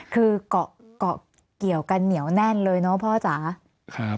คือก็เกี่ยวกันเหนียวแน่นเลยเนอะพ่อจ๋า